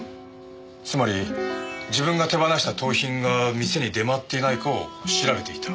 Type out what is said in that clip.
つまり自分が手放した盗品が店に出回っていないかを調べていた。